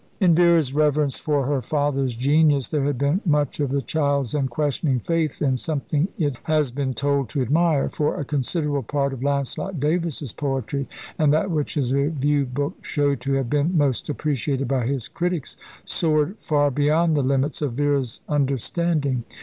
In Vera's reverence for her father's genius, there had been much of the child's unquestioning faith in something it has been told to admire, for a considerable part of Lancelet Davis's poetry, and that which his review book showed to have been most appreciated by his critics, soared far beyond the limits of Vera's understanding.